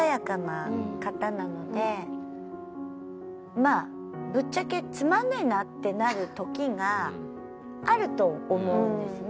まあぶっちゃけつまんないなってなる時があると思うんですね。